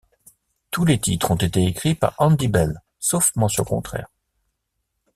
Tous les titres ont été écrits par Andy Bell, sauf mention contraire.